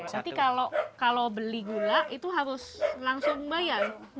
nanti kalau beli gula itu harus langsung bayar